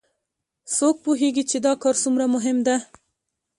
څوک پوهیږي چې دا کار څومره مهم ده